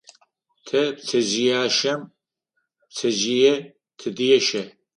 Тэ пцэжъыяшэм пцэжъые тыдешэ.